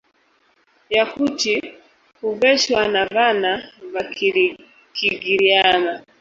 Yakuti huveshwa na vana vakigiriama.